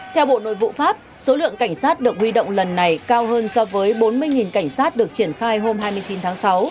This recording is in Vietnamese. theo bộ nội vụ pháp số lượng cảnh sát được huy động lần này cao hơn so với bốn mươi cảnh sát được triển khai hôm hai mươi chín tháng sáu